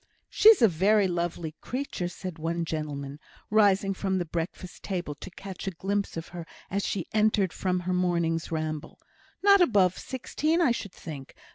"She's a very lovely creature," said one gentleman, rising from the breakfast table to catch a glimpse of her as she entered from her morning's ramble. "Not above sixteen, I should think.